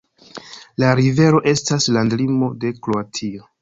La rivero estas landlimo de Kroatio.